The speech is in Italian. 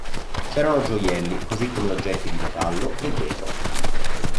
C'erano gioielli, così come oggetti di metallo e vetro.